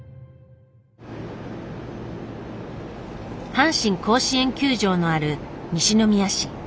阪神甲子園球場のある西宮市。